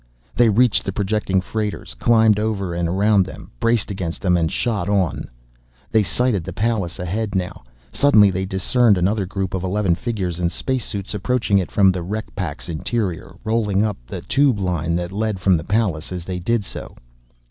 They reached the projecting freighters, climbed over and around them, braced against them and shot on. They sighted the Pallas ahead now. Suddenly they discerned another group of eleven figures in space suits approaching it from the wreck pack's interior, rolling up the tube line that led from the Pallas as they did so.